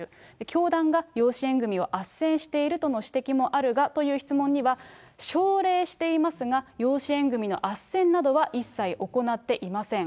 教団が養子縁組をあっせんしているとの指摘もあるがという質問には、奨励していますが、養子縁組のあっせんなどは一切行っていません。